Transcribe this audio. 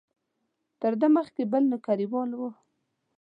تر ده مخکې بل نوکریوال و.